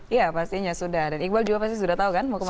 iya pastinya sudah dan iqbal juga pasti sudah tahu kan mau kemana